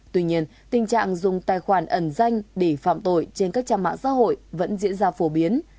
tuy nhiên tình trạng dùng tài khoản ẩn danh để phạm tội trên các trang mạng xã hội vẫn diễn ra phổ biến